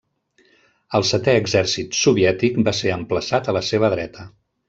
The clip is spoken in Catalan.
El Setè Exèrcit soviètic va ser emplaçat a la seva dreta.